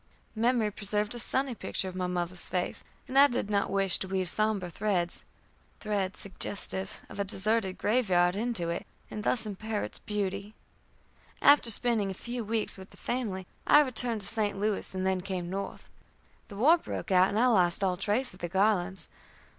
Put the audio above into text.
Memory preserved a sunny picture of my mother's face, and I did not wish to weave sombre threads threads suggestive of a deserted grave yard into it, and thus impair its beauty. After spending a few weeks with the family, I returned to St. Louis, and then came North. The war broke out, and I lost all trace of the Garlands.